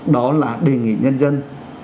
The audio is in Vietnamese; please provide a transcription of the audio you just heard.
đó là đề nghị nhân dân